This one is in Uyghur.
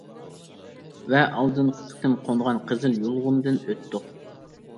ۋە ئالدىنقى قېتىم قونغان قىزىل يۇلغۇن دىن ئۆتتۇق.